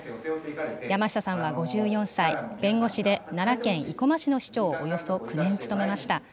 山下さんは５４歳、弁護士で、奈良県生駒市の市長を、およそ９年務めました。